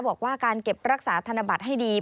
บอกว่าการเก็บรักษาธนบัตรให้ดี